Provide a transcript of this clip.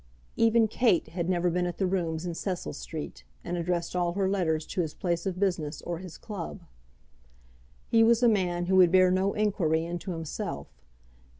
Even Kate had never been at the rooms in Cecil Street, and addressed all her letters to his place of business or his club. He was a man who would bear no inquiry into himself.